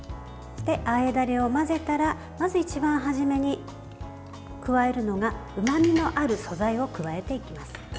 あえダレを混ぜたらまず一番初めに加えるのがうまみのある素材を加えていきます。